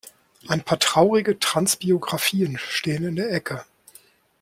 Ein paar traurige Trans-Biografien stehen in der Ecke.